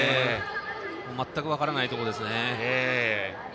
全く分からないところです。